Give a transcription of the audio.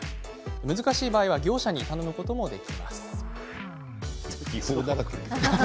難しい場合は業者に頼むこともできます。